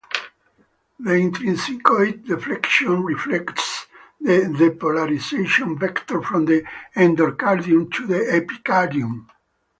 The intrinsicoid deflection reflects the depolarization vector from the endocardium to the epicardium.